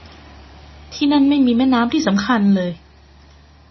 ที่นั่นไม่มีแม่น้ำที่สำคัญเลย